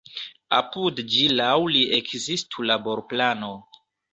Apud ĝi laŭ li ekzistu laborplano.